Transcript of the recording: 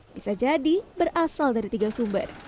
bisa jadi berasal dari tiga sumber